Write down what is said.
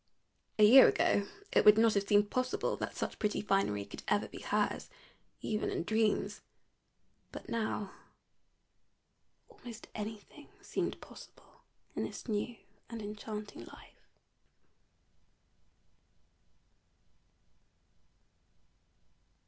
A year ago it would not have seemed possible that such pretty finery could ever be hers, even in dreams; but now almost anything seemed possible in this new and enchanting life.